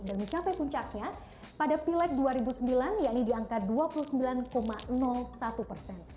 dan mencapai puncaknya pada pileg dua ribu sembilan yakni di angka dua puluh sembilan satu persen